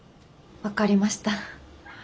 分かりました。